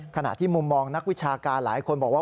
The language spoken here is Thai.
ขณะที่มุมมองนักวิชาการหลายคนบอกว่า